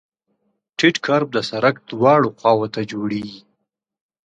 ټیټ کرب د سرک دواړو خواو ته جوړیږي